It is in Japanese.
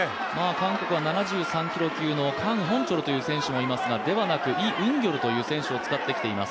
韓国は、７３キロ級のホンチョル選手という選手がいますがではなくイ・ウンギョルという選手を使ってきています。